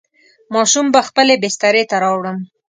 ماشوم به خپلې بسترې ته راوړم.